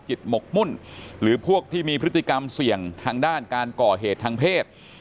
หมกมุ่นหรือพวกที่มีพฤติกรรมเสี่ยงทางด้านการก่อเหตุทางเพศ